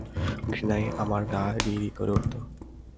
ঘৃণায় আমার গা রি-রি করে উঠত।